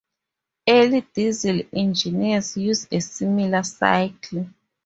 Early Diesel engines use a similar cycle.